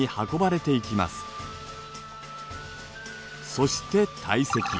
そして堆積。